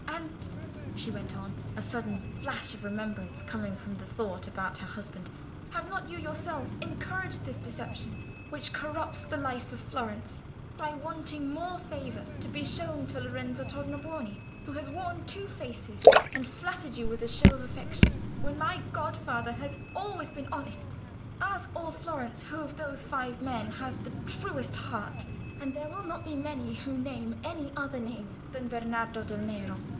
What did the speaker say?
And," she went on, a sudden flash of remembrance coming from the thought about her husband, "have not you yourself encouraged this deception which corrupts the life of Florence, by wanting more favour to be shown to Lorenzo Tornabuoni, who has worn two faces, and flattered you with a show of affection, when my godfather has always been honest? Ask all Florence who of those five men has the truest heart, and there will not be many who will name any other name than Bernardo del Nero.